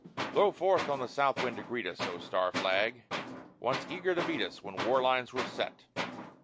Blow forth on the south wind to greet us, O star flag! once eager to meet us When war lines were set.